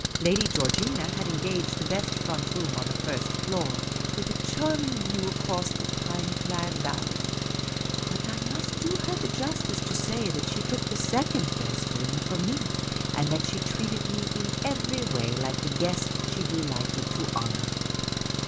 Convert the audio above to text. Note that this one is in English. Lady Georgina had engaged the best front room on the first floor, with a charming view across the pine clad valley ; but I must do her the justice to say that she took the second best for me, and that she treated me in every way like the guest she de lighted to honour.